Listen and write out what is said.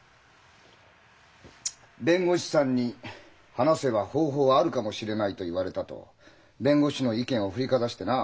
弁護士さんに「話せば方法はあるかもしれない」と言われたと弁護士の意見を振りかざしてな。